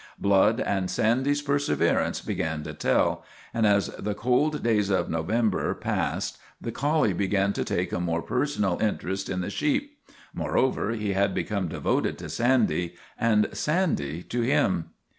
Blood and Sandy's perseverance began to tell, and as the cold days of November passed the collie began to take a more personal interest in the sheep. Moreover, he had become devoted to Sandy, and Sandy to him.